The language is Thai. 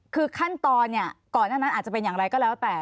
คือขั้นตอนก่อนนั้นอาจจะเป็นอย่างไรก็แล้วแต่